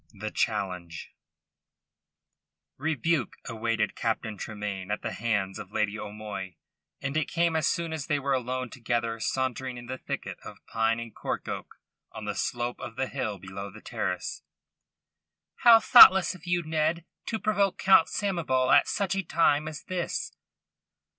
THE CHALLENGE Rebuke awaited Captain Tremayne at the hands of Lady O'Moy, and it came as soon as they were alone together sauntering in the thicket of pine and cork oak on the slope of the hill below the terrace. "How thoughtless of you, Ned, to provoke Count Samoval at such a time as this!"